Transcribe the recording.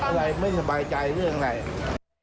อะไรไม่สบายใจเรื่องอะไร